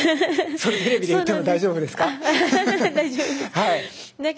それテレビで言っても大丈夫ですか？